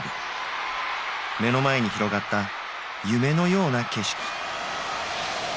目の前に広がった夢のような景色。